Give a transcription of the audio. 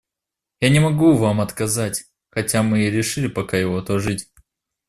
Я не могу вам отказать, хотя мы и решили пока его отложить.